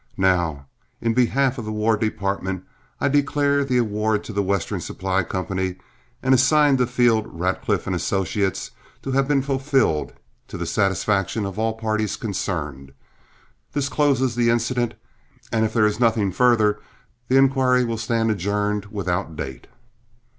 Now in behalf of the War Department, I declare the award to The Western Supply Company, and assigned to Field, Radcliff, and associates, to have been fulfilled to the satisfaction of all parties concerned. This closes the incident, and if there is nothing further, the inquiry will stand adjourned without date."